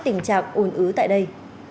tình trạng ồn ứ tại đây